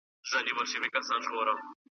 نه یې مرستي ته دوستان سوای رسېدلای .